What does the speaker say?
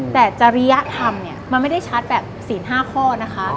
แต่จริยธรรมเนี่ยมันไม่ได้ชัดแบบศีล๕ข้อนะคะ